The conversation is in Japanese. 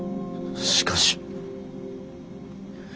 しかし。